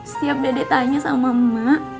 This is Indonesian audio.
setiap dede tanya sama mak